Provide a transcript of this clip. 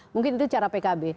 mungkin itu cara pkb